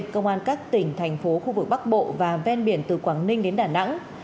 công an các tỉnh thành phố khu vực bắc bộ và ven biển từ quảng ninh đến đà nẵng